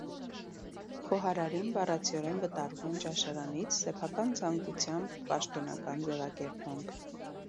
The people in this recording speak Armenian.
Խոհարարին բառացիորեն վտարում են ճաշարանից՝ «սեփական ցանկությամբ» պաշտոնական ձևակերպմամբ։